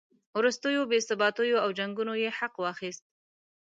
وروستیو بې ثباتیو او جنګونو یې حق واخیست.